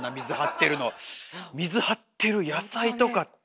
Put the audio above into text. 水張ってる野菜とかって。